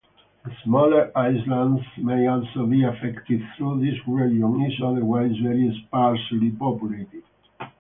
Smaller islands may also be affected, though this region is otherwise very sparsely populated.